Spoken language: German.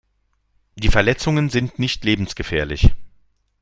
Die Verletzungen sind nicht lebensgefährlich.